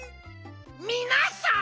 みなさん！